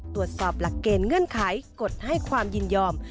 ตรวจสอบหลักเกณฑ์เงื่อนไขกดให้ความยินยอม